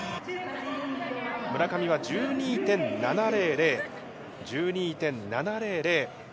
村上は１２．７００、１２．７００。